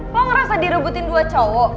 lo ngerasa direbutin dua cowok